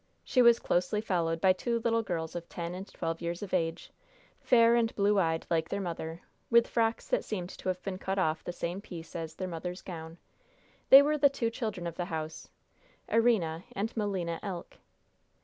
She was closely followed by two little girls of ten and twelve years of age, fair and blue eyed, like their mother, with frocks that seemed to have been cut off the same piece as their mother's gown. These were the two children of the house Erina and Melina Elk.